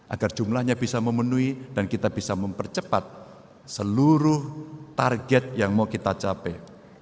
agar jumlahnya bisa memenuhi dan kita bisa mempercepat seluruh target yang mau kita capai